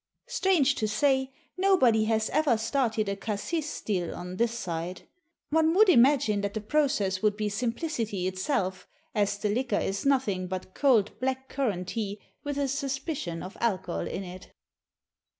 Strange to say nobody has ever started a cassis still on this side. One would imagine that the process would be simplicity itself; as the liquor is nothing but cold black currant tea, with a suspicion of alcohol in it.